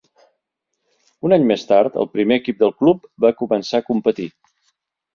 Un any més tard, el primer equip del club va començar a competir.